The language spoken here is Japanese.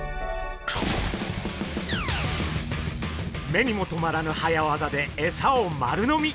目にもとまらぬ早業でエサを丸飲み！